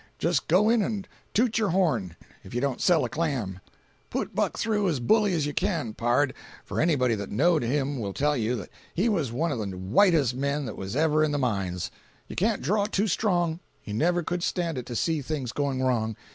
Just go in and toot your horn, if you don't sell a clam. Put Buck through as bully as you can, pard, for anybody that knowed him will tell you that he was one of the whitest men that was ever in the mines. You can't draw it too strong. He never could stand it to see things going wrong.